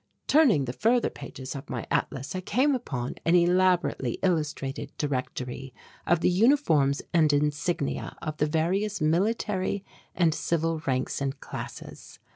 Turning the further pages of my atlas I came upon an elaborately illustrated directory of the uniforms and insignia of the various military and civil ranks and classes.